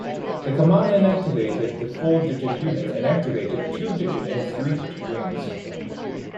The command inactivated the four-digit units and activated two-digit and three-digit wings.